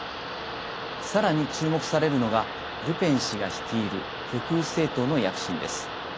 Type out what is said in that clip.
さらに注目されるのがルペン氏が率いる極右政党の躍進です。